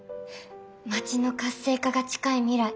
街の活性化が近い未来